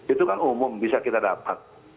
itu kan umum bisa kita dapat